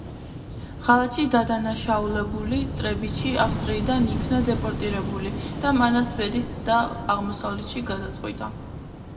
ღალატში დადანაშაულებული ტრებიჩი ავსტრიიდან იქნა დეპორტირებული და მანაც ბედის ცდა აღმოსავლეთში გადაწყვიტა.